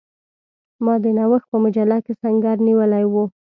ما د نوښت په مجله کې سنګر نیولی وو.